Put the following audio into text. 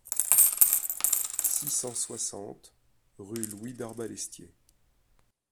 six cent soixante rue Louis d'Arbalestier